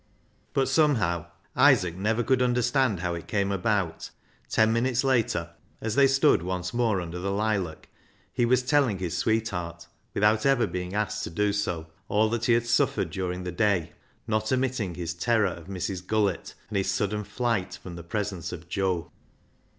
But, somehow, — Isaac never could understand how it came about, — ten minutes later, as they stood once more under the lilac, he was telling his sweetheart, without ever being asked to do so, all that he had suffered during the day, not omitting his terror of Mrs. Gullett, and his sudden flight from the presence of Joe.